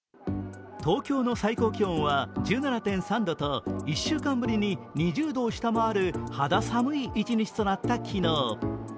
東京の最高気温は１７．３度と１週間ぶりに２０度を下回る肌寒い一日となった昨日。